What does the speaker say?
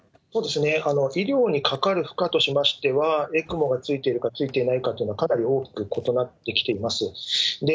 医療にかかる負荷としましては、ＥＣＭＯがついているかついていないかというのは、かなり大きく異なってきています。